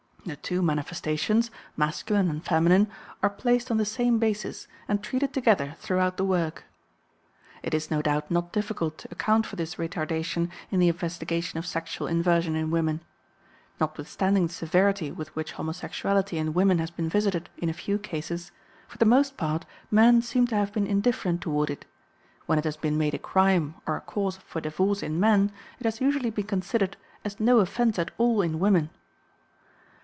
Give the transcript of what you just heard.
The two manifestations, masculine and feminine, are placed on the same basis and treated together throughout the work. It is, no doubt, not difficult to account for this retardation in the investigation of sexual inversion in women. Notwithstanding the severity with which homosexuality in women has been visited in a few cases, for the most part men seem to have been indifferent toward it; when it has been made a crime or a cause for divorce in men, it has usually been considered as no offense at all in women.